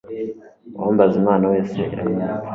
uwambaza imana wese iramwumva